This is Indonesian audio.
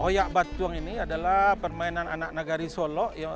hoyak batuang ini adalah permainan anak negari solo